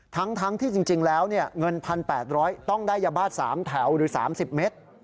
ทั้งที่จริงแล้วเงิน๑๘๐๐ต้องได้ยาบ้า๓แถวหรือ๓๐เมตร